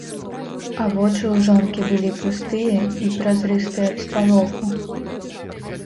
А вочы ў жонкі былі пустыя і празрыстыя ад спалоху.